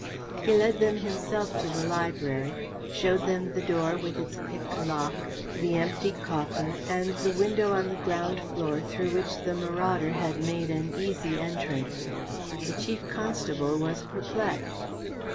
He led them himself to the library, showed them the door with its picked lock, the empty coffer and the window on the ground floor through which the marauder had made an easy entrance. The Chief Constable was perplexed.